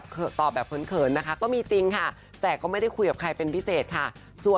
ก็พอมียุคนี้มันเป็นยุคที่เหมือนแบบ